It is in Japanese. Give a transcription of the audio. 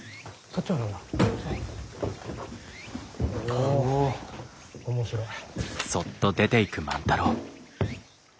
お面白い。